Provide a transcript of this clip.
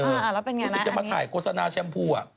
รู้สึกจะมาถ่ายโฆษณาแชมพู